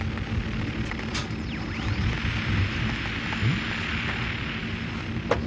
ん？